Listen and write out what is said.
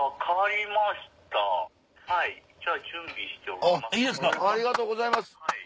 ありがとうございます！